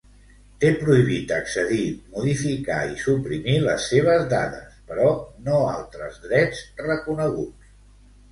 Té prohibit accedir, modificar i suprimir les seves dades, però no altres drets reconeguts.